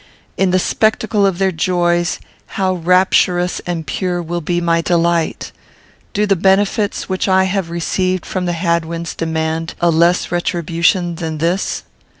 In the spectacle of their joys, how rapturous and pure will be my delight! Do the benefits which I have received from the Hadwins demand a less retribution than this?